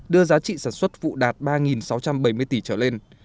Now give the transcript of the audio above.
đưa giá trị sản xuất vụ đạt ba sáu trăm bảy mươi tỷ trở lên